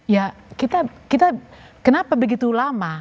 ya kita kenapa begitu lama